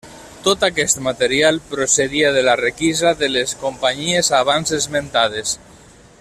Tot aquest material procedia de la requisa de les companyies abans esmentades.